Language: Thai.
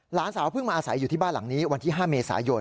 หลานสาวเพิ่งมาอาศัยอยู่ที่บ้านหลังนี้วันที่๕เมษายน